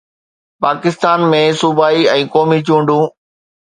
پاڪستان ۾ صوبائي ۽ قومي چونڊون